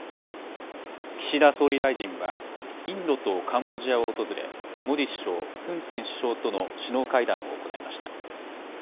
岸田総理大臣は、インドとカンボジアを訪れ、モディ首相、フン・セン首相との首脳会談を行いました。